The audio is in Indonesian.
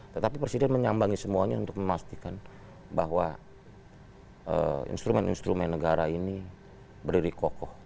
tetapi presiden menyambangi semuanya untuk memastikan bahwa instrumen instrumen negara ini berdiri kokoh